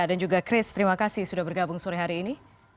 dan juga chris terima kasih sudah bergabung sore hari ini